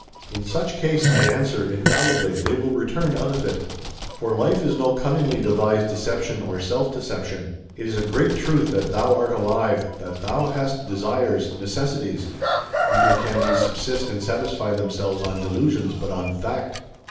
In such case, I answer, infallibly they will return out of it! For life is no cunningly devised deception or self deception: it is a great truth that thou art alive, that thou hast desires, necessities; neither can these subsist and satisfy themselves on delusions, but on fact.